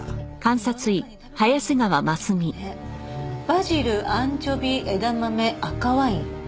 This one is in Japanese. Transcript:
「バジルアンチョビ枝豆赤ワイン」